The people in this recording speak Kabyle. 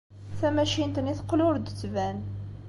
Tamacint-nni teqqel ur d-tettban.